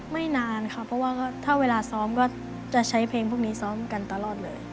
ไม่นานค่ะเพราะว่าถ้าเวลาซ้อมก็จะใช้เพลงพวกนี้ซ้อมกันตลอดเลย